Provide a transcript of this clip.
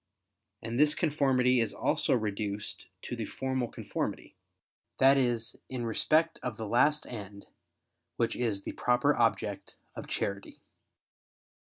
And this conformity is also reduced to the formal conformity, that is in respect of the last end, which is the proper object of charity.